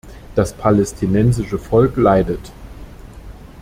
Das palästinensische Volk leidet.